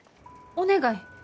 お願い。